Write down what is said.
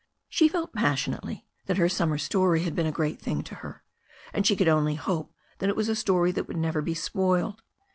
She felt passionately that her summer story had been a great thing to her, and she could only hope that it was a story that would never be spoiled.